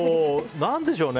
何でしょうね。